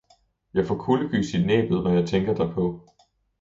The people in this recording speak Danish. Jeg får kuldegys i næbbet, når jeg tænker derpå!